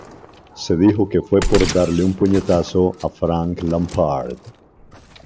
Se dijo que fue por darle un puñetazo a Frank Lampard.